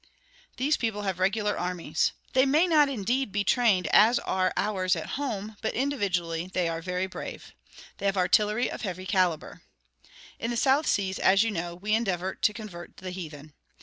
These people have regular armies. They may not, indeed, be trained as are ours at home but individually they are very brave. They have artillery of heavy caliber. "In the South Seas, as you know, we endeavor to convert the heathen.